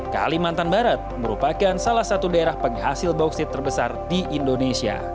kalimantan barat merupakan salah satu daerah penghasil bauksit terbesar di indonesia